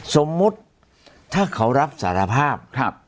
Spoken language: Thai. สมมุติถ้าเขารับสารภาพ